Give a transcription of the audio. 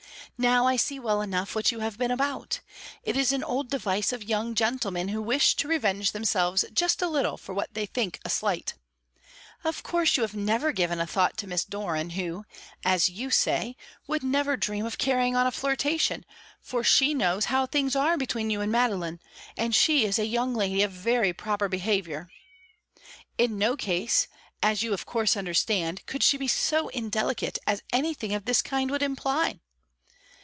Now, I see well enough what you have been about; it is an old device of young gentlemen who wish to revenge themselves just a little for what they think a slight. Of course you have never given a thought to Miss Doran, who, as you say, would never dream of carrying on a flirtation, for she knows how things are between you and Madeline, and she is a young lady of very proper behaviour. In no case, as you of course understand, could she be so indelicate as anything of this kind would imply.